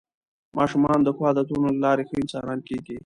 ماشومان د ښو عادتونو له لارې ښه انسانان کېږي